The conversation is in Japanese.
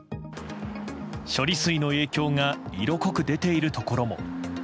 処理水の影響が色濃く出ているところも。